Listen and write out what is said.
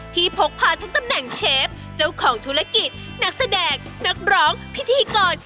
พกพาทั้งตำแหน่งเชฟเจ้าของธุรกิจนักแสดงนักร้องพิธีกร